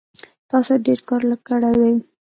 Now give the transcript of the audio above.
تاسو ډیر کار کړی دی